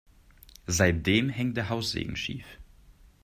Seitdem hängt der Haussegen schief.